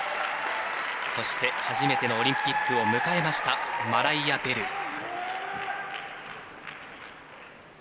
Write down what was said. そして、初めてのオリンピックを迎えましたマライア・ベル。